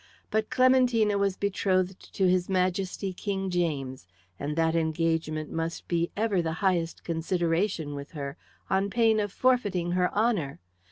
But Clementina was betrothed to his Majesty King James, and that engagement must be ever the highest consideration with her, on pain of forfeiting her honour.